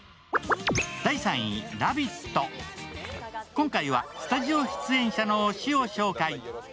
今回はスタジオ出演者の推しを紹介。